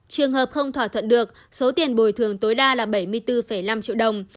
trường hợp không thỏa thuận được số tiền bồi thường tối đa là bảy mươi bốn năm triệu đồng